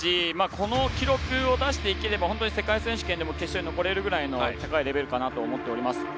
この記録を出していければ本当に世界選手権でも決勝に残れるくらいの高いレベルかなと思っています。